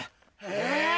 え！